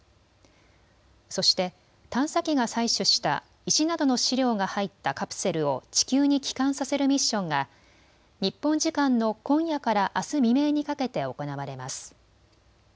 そして探査機が採取した石などの試料が入ったカプセルを地球に帰還させるミッションが日本時間の今夜からあす未明にかけて行われます。